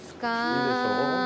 いいでしょ？